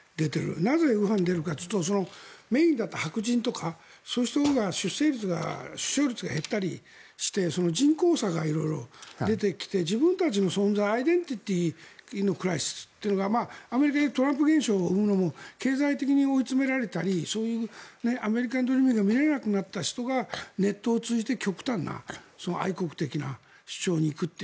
なぜ右派に出るかというとメインだと白人とかがそういう人が出生率が減ったりして人口差が色々、出てきて自分たちの存在アイデンティティーのクライシスっていうのがアメリカでいうトランプ現象を生むのも経済的に追い詰められたりアメリカンドリームが見られなくなった人がネットを通じて極端な愛国的な主張に行くという。